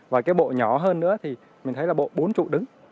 và cái bộ nhỏ hơn nữa thì mình thấy là bộ bốn trụ đứng